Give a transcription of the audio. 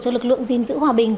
cho lực lượng gìn giữ hòa bình